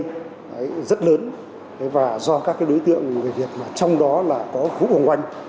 đó là một đường dây rất lớn và do các đối tượng người việt trong đó là có khu hoàng oanh